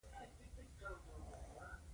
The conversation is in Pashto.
په لسمه پېړۍ کې بېخي صفر ته راښکته کېږي.